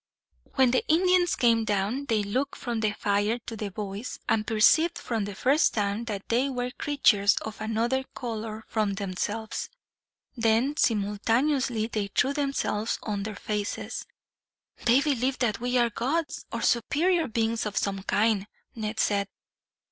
When the Indians came down, they looked from the fire to the boys, and perceived for the first time that they were creatures of another color from themselves. Then, simultaneously, they threw themselves on their faces. "They believe that we are gods, or superior beings of some kind," Ned said.